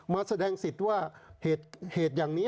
มาแสดงสิทธิ์ว่าเหตุอย่างนี้